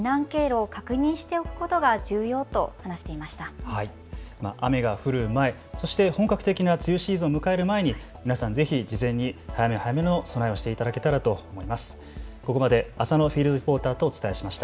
雨が降る前、そして本格的な梅雨シーズンを迎える前に皆さんぜひ事前に早め早めの備えをしていただけたらと思います。